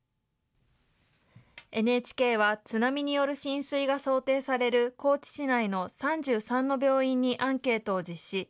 ＮＨＫは、津波による浸水が想定される高知市内の３３の病院にアンケートを実施。